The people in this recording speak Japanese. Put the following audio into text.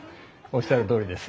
おっしゃるとおりです。